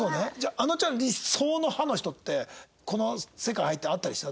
あのちゃんの理想の歯の人ってこの世界入って会ったりした？